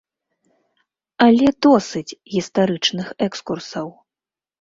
Але досыць гістарычных экскурсаў.